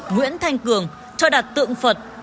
nguyễn thanh cường cho đặt tượng phật